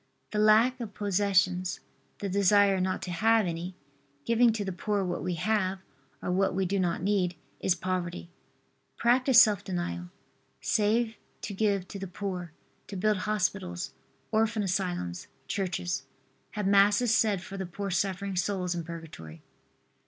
The lack of possessions, the desire not to have any, giving to the poor what we have, or what we do not need, is poverty. Practice self denial. Save to give to the poor, to build hospitals, orphan asylums, churches. Have Masses said for the poor suffering souls in Purgatory.